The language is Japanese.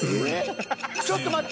ちょっと待って。